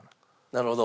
なるほど。